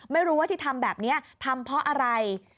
ไม่รู้ว่าที่ทำแบบนี้ทำเพราะอะไร